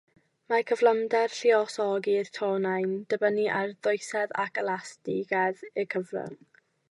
Mae cyflymder lluosogi'r tonnau'n dibynnu ar ddwysedd ac elastigedd y cyfrwng.